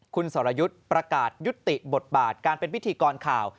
คุณสรยุทธ์ประกาศยุติบทบาทการเป็นพิธีกรข่าว